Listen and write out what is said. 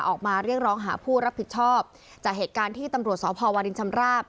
ออกมาเรียกร้องหาผู้รับผิดชอบจากเหตุการณ์ที่ตำรวจสพวรินชำราบ